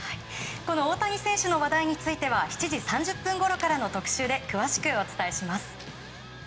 大谷選手の話題については７時３０分ごろから特集で詳しくお伝えします。